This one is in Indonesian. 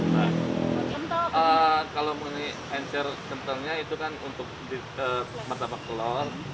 kalau menggunakan encer kentalnya itu kan untuk martabak telur